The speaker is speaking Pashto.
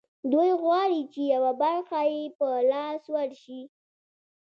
دوی غواړي چې یوه برخه یې په لاس ورشي